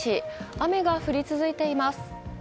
雨が降り続いています。